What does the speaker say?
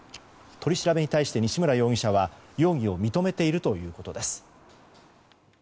取り調べに対して西村容疑者は容疑を認めているということです。